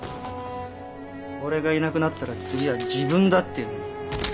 俺がいなくなったら次は自分だっていうのに。